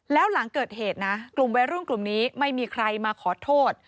แล้วหลังเกิดเหตุนะกลุ่มวัยรุ่นกลุ่มนี้ไม่มีใครมาขอโทษ